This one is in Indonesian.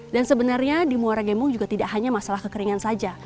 dan sebenarnya di muara gembong juga tidak hanya masalah kekeringan saja